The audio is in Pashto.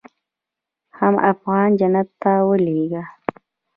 حم افغان جنت ته ولېږه.